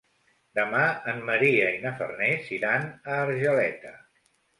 Demà en Maria i na Farners iran a Argeleta.